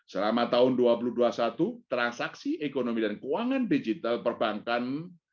selama tahun dua ribu dua puluh satu transaksi ekonomi dan keuangan digital perbankan